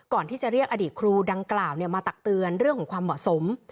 ก่อนที่จะเรียกอดีตครูดังกล่าวมาตักเตือนเรื่องของความเหมาะสม